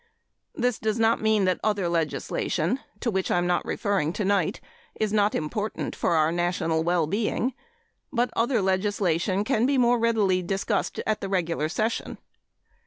This does not mean that other legislation, to which I am not referring tonight, is not important for our national well being. But other legislation can be more readily discussed at the regular session.